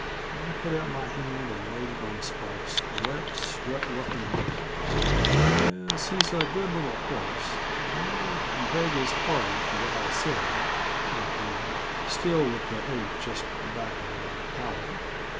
I put out my hand and laid it on Spikes' wet, sweat roughened neck. "Yes, he's a good little horse, and I beg his pardon for what I said," I owned, still with the ache just back of my palate.